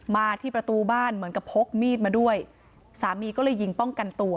มาที่ประตูบ้านเหมือนกับพกมีดมาด้วยสามีก็เลยยิงป้องกันตัว